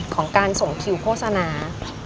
ของการส่งคิวโฆษณา